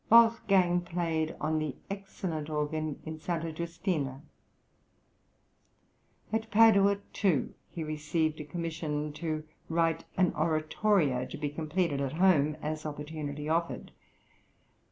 Wolfgang played on the excellent organ in Santa Giustina. At Padua, too, he received a commission to write an oratorio to be completed at home as opportunity offered.